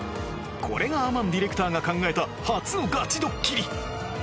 これがアマンディレクターが考えた初のガチどっきり